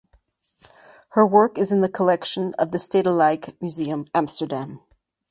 Her work is in the collection of the Stedelijk Museum Amsterdam.